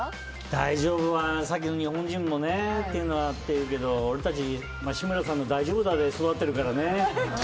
大丈夫はさっきの日本人はっていうのもあるけど俺たち志村さんの、大丈夫だあで育ってるからね。